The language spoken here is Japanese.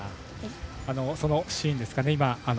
そのシーンですかね。